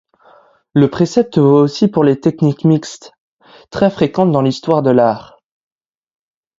Le précepte vaut aussi pour les techniques mixtes, très fréquentes dans l'histoire de l'art.